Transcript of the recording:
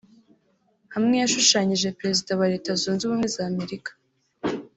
Hamwe yashushanyije Perezida wa Leta Zunze Ubumwe za Amerika